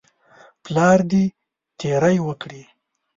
پلار دې تیری وکړي.